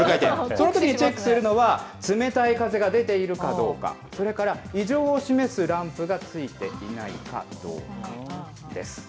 特にチェックするのは、冷たい風が出ているかどうか、それから異常を示すランプが付いていないかどうかです。